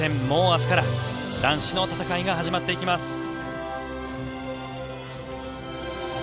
もう明日から男子の戦いが始まっていきます。